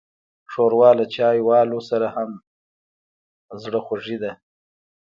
ښوروا له چايوالو سره هم زړهخوږې ده.